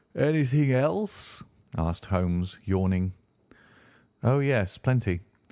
'" "Anything else?" asked Holmes, yawning. "Oh, yes; plenty.